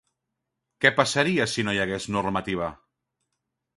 Què passaria si no hi hagués normativa?